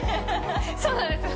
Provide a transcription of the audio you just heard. そうなんですよ